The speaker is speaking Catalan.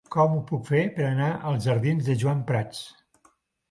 Com ho puc fer per anar als jardins de Joan Prats?